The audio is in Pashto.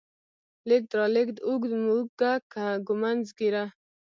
لېږد، رالېږد، اوږد، موږک، ږمنځ، ږيره